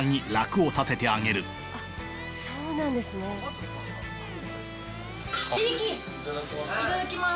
音輝いただきます。